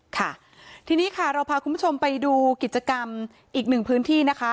ค่ะทีนี้ค่ะเราพาคุณผู้ชมไปดูกิจกรรมอีกหนึ่งพื้นที่นะคะ